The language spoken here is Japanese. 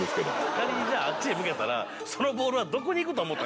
仮にあっちに投げたら、そのボールはどこに行くと思った？